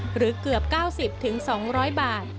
หรือเกือบ๙๐๒๐๐บาท